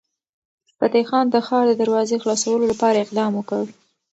فتح خان د ښار د دروازې خلاصولو لپاره اقدام وکړ.